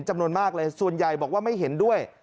จำนวนมากเลยส่วนใหญ่บอกว่าไม่เห็นด้วย